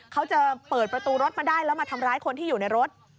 เขาจะเปิดประตูรถมาได้แล้วมาทำร้ายคนที่อยู่ในรถ